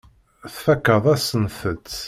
Tfakkeḍ-asent-t.